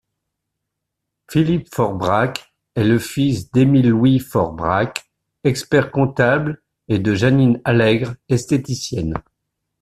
Philippe Faure-Brac est le fils d'Emile Louis Faure-Brac, expert-comptable et de Jeannine Allègre, esthéticienne.